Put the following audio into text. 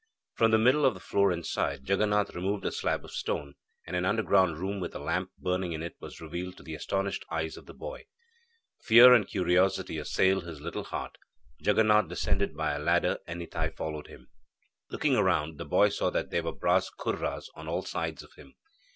From the middle of the floor inside, Jaganath removed a slab of stone, and an underground room with a lamp burning in it was revealed to the astonished eyes of the boy. Fear and curiosity assailed his little heart. Jaganath descended by a ladder and Nitai followed him. Looking around, the boy saw that there were brass ghurras on all sides of him.